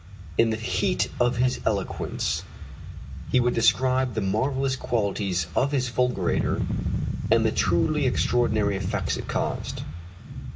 In the heat of his eloquence he would describe the marvellous qualities of his fulgurator and the truly extraordinary effects it caused.